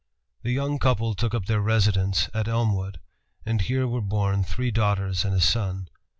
The young couple took up their residence at Elmwood, and here were born three daughters and a son.